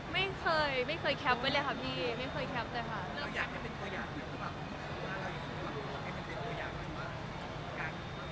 ไม่เคยไม่เคยแคปไว้เลยค่ะพี่ไม่เคยแคปเลยค่ะ